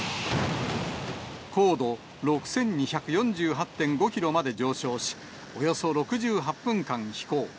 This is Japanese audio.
高度６２４８．５キロまで上昇し、およそ６８分間飛行。